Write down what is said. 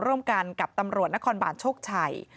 ร่วมกันกับตำรวจนครบาลโชคชัย